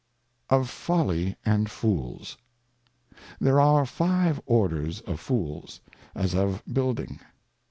Of Folly and Fools. THERE are five Orders of Fools, as of Building: i.